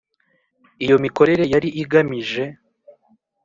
iyo mikorere yari igamije